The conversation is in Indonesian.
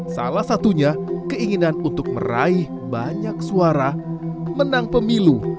salah satunya keinginan untuk meraih banyak suara menang pemilu